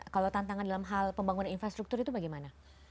kalau tantangan dalam hal pembangunan infrastruktur itu bagaimana